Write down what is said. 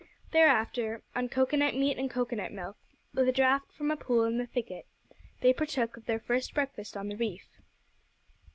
Thereafter, on cocoa nut meat and cocoa nut milk, with a draught from a pool in the thicket they partook of their first breakfast on the reef.